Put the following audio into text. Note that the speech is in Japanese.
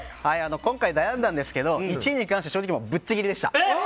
今回、悩んだんですけど１位に関しては正直、ぶっちぎりでした。